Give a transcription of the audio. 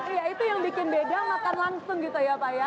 iya itu yang bikin beda makan langsung gitu ya pak ya